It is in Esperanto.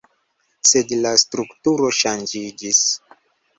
Sed la strukturo ŝanĝiĝis.